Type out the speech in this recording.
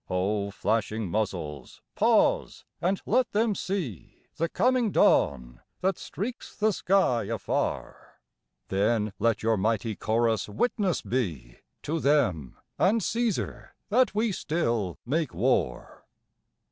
O flashing muzzles, pause, and let them see The coming dawn that streaks the sky afar; Then let your mighty chorus witness be To them, and Caesar, that we still make war.